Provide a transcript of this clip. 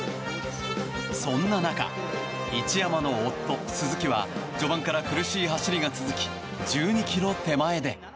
そんな中、一山の夫・鈴木は序盤から苦しい走りが続き１２ｋｍ手前で。